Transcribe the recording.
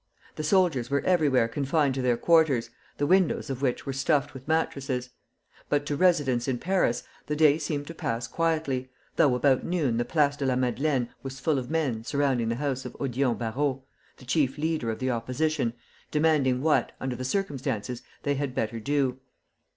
The soldiers were everywhere confined to their quarters, the windows of which were stuffed with mattresses; but to residents in Paris the day seemed to pass quietly, though about noon the Place de la Madeleine was full of men surrounding the house of Odillon Barrot, the chief leader of the opposition, demanding what, under the circumstances, they had better do.